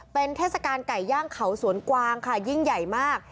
เป็นเทศกาลไก่ย่างเขาสวนกวางค่ะยิ่งใหญ่มาก